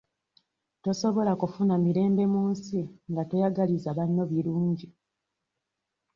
Tosobola kufuna mirembe mu nsi nga toyagaliza banno birungi.